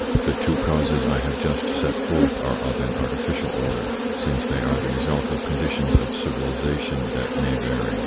The two causes I have just set forth are of an arti ficial order, since they are the result of conditions of civilisation that may vary.